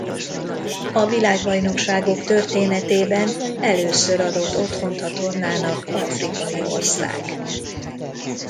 A világbajnokságok történetében először adott otthont a tornának afrikai ország.